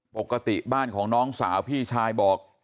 ปกติบ้านของน้องสาวพี่ชายบอก